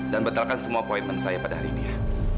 dan betalkan semua appointment saya pada hari ini ya